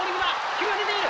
距離が出ている！